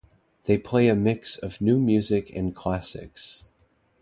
They play a mix of new music and classics.